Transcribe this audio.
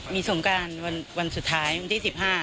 มีสงการวันสุดท้ายวันที่๑๕